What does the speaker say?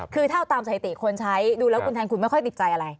คือถ้าเอาตามสถิติคนใช้ดูแล้วคุณแทนคุณไม่ค่อยติดใจอะไร